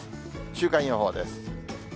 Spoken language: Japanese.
週間予報です。